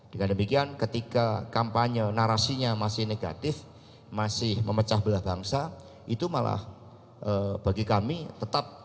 dengan demikian ketika kampanye narasinya masih negatif masih memecah belah bangsa itu malah bagi kami tetap